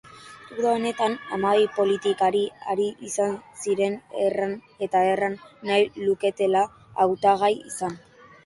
Uda honetan, hamabi politikari ari izan ziren erran eta erran, nahi luketela hautagai izan.